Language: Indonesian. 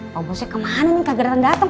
pabosnya kemana nih kagak datang datang